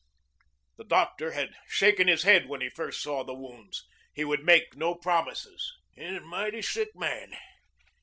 The doctor had shaken his head when he first saw the wounds. He would make no promises. "He's a mighty sick man.